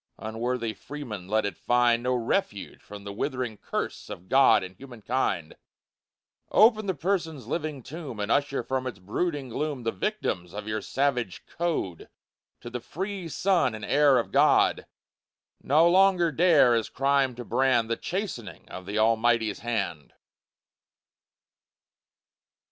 Unworthy freemen, let it find No refuge from the withering curse Of God and human kind Open the prison's living tomb, And usher from its brooding gloom The victims of your savage code To the free sun and air of God; No longer dare as crime to brand The chastening of the Almighty's hand.